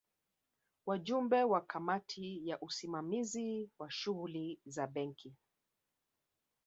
Wajumbe wa Kamati ya Usimamizi wa Shughuli za Benki